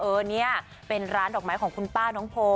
เออเนี่ยเป็นร้านดอกไม้ของคุณป้าน้องโพ